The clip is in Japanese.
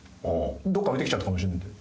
どこか置いてきちゃったかもしれないんで。